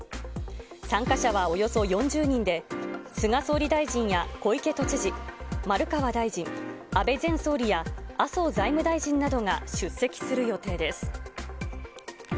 参加者はおよそ４０人で、菅総理大臣や小池都知事、丸川大臣、安倍前総理や麻生財務大臣などが出席する予定です。